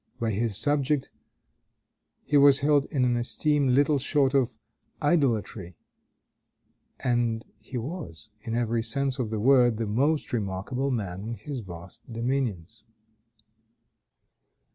By his subjects he was held in an esteem little short of idolatry, and he was, in every sense of the word, the most remarkable man in his vast dominions.